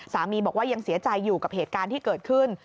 สามีบอกว่ายังเสียใจอยู่กับเหตุการณ์ที่เกิดขึ้น